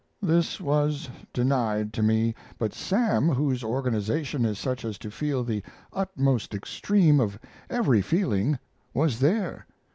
This was denied to me, but Sam, whose organization is such as to feel the utmost extreme of every feeling, was there.